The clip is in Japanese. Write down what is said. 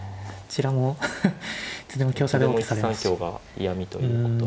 それも１三香が嫌みということ。